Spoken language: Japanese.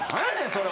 それ。